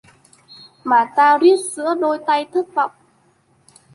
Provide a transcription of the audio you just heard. mà ta riết giữa đôi tay thất vọng.